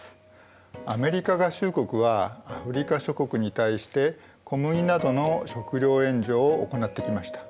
アメリカ合衆国はアフリカ諸国に対して小麦などの食糧援助を行ってきました。